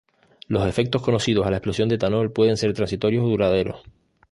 Los efectos conocidos a la exposición del etanol pueden ser transitorios o duraderos.